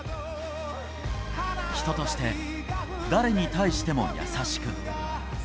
人として、誰に対しても優しく。